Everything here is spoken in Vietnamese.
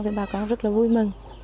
thì bà con rất là vui mừng